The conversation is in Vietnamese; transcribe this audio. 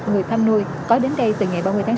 người thăm nuôi có đến đây từ ngày ba mươi tháng bốn